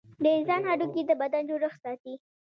د انسان هډوکي د بدن جوړښت ساتي.